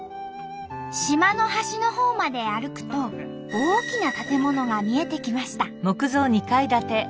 島の端のほうまで歩くと大きな建物が見えてきました。